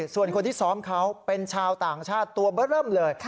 ส่วนคนที่ซ้อมเขาเป็นชาวต่างชาติตัวเบอร์เริ่มเลย